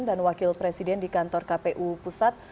dan wakil presiden di kantor kpu pusat